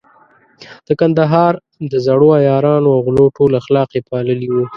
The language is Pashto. د کندهار د زړو عیارانو او غلو ټول اخلاق يې پاللي وو.